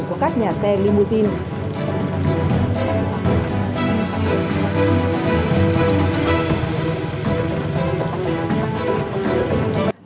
của các nhà xe limousine